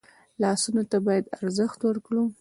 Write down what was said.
لاسونه ته باید ارزښت ورکړو